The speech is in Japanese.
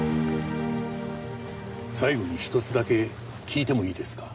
最後に１つだけ聞いてもいいですか？